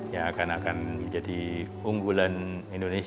ya akan akan menjadi unggulan indonesia ini